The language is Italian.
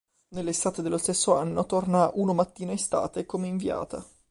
Nell'estate dello stesso anno torna a "Unomattina Estate" come inviata.